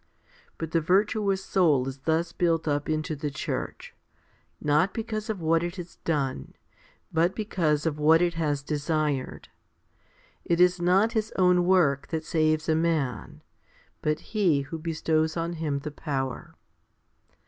But the virtuous soul is thus built up into the church, not because of what it has done, but because of what it has desired. It is not his own work that saves a man, but He who bestows on him the power.